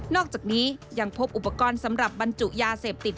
อกจากนี้ยังพบอุปกรณ์สำหรับบรรจุยาเสพติด